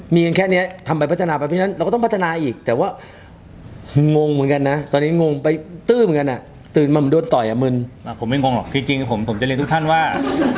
มีแค่เนี้ยทำไปพัฒนาไปนั้นเราก็ต้องพัฒนาอีกแต่ว่างงเหมือนกันนะ